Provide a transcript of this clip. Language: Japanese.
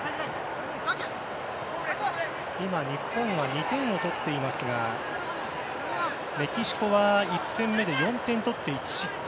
今、日本は２点を取っていますがメキシコは１戦目で４点を取って、１失点。